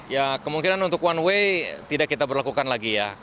ya kemungkinan untuk one way tidak kita berlakukan lagi ya